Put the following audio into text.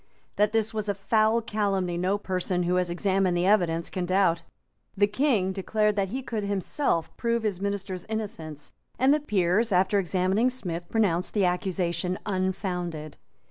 That this was a foul calumny no person who has examined the evidence can doubt. The King declared that he could himself prove his minister's innocence; and the Peers, after examining Smith, pronounced the accusation unfounded.